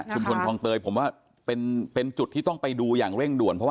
ชุมพลทองเตยผมว่าเป็นเป็นจุดที่ต้องไปดูอย่างเร่งด่วนเพราะ